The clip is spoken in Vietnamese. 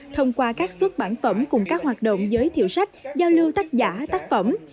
thông qua các xuất bản phẩm cùng các hoạt động giới thiệu sách giao lưu tác giả tác phẩm